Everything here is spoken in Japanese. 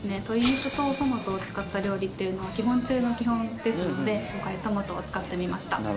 鶏肉とトマトを使った料理っていうのは基本中の基本ですので今回トマトを使ってみました。